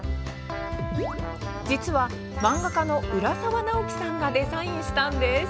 実は漫画家の浦沢直樹さんがデザインしたんです。